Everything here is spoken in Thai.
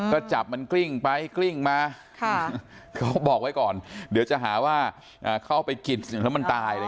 ก็จับมันกลิ้งไปกลิ้งมาเขาบอกไว้ก่อนเดี๋ยวจะหาว่าเข้าไปกินแล้วมันตายเลย